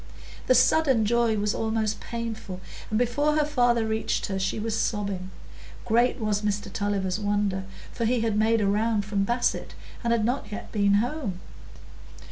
The sudden joy was almost painful, and before her father reached her, she was sobbing. Great was Mr Tulliver's wonder, for he had made a round from Basset, and had not yet been home.